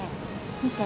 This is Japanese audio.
見て。